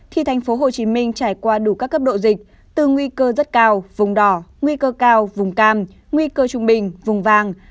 thì thành phố hồ chí minh trải qua đủ các cấp độ dịch từ nguy cơ rất cao vùng đỏ nguy cơ cao vùng cam nguy cơ trung bình vùng vàng